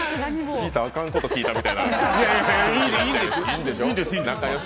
聞いたらあかんこと聞いたような。